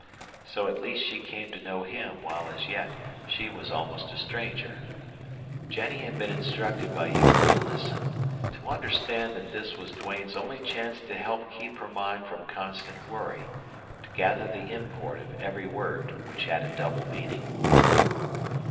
So at least she came to know him while as yet she was almost a stranger. Jennie had been instructed by Euchre to listen, to understand that this was Duane's only chance to help keep her mind from constant worry, to gather the import of every word which had a double meaning.